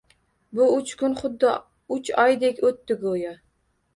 Bu uch kun xuddi uch oydek oʻtdi, goʻyo